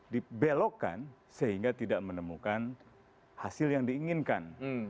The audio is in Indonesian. dibelokkan sehingga tidak menemukan hasil yang diinginkan